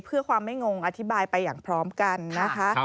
เพื่อความไม่งงอธิบายไปอย่างพร้อมกันนะคะ